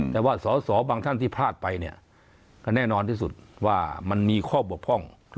แต่ว่าสอสอบางท่านที่พลาดไปเนี่ยก็แน่นอนที่สุดว่ามันมีข้อบกพร่อง